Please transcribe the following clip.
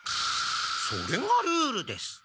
それがルールです！